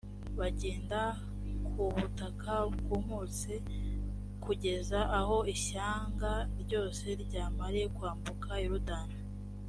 bagenda ku butaka bwumutse b kugeza aho ishyanga ryose ryamariye kwambuka yorodani